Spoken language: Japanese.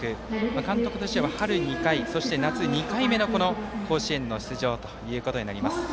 監督としては春２回そして、夏２回目の甲子園の出場ということになります。